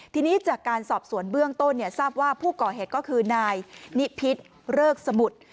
ทีนี้จากการสอบสวนเบื้องต้นทราบว่าผู้ก่อเหตุก็คือนายนิพิษเริกสมุทร